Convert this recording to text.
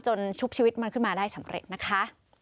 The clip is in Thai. ชุบชีวิตมันขึ้นมาได้สำเร็จนะคะ